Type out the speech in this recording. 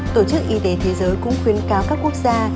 tổ chức y tế thế giới cũng khuyến cáo các quốc gia